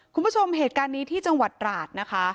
คุณผู้ชมเหตุการณ์นี้ที่จังหวัดราชนะคะ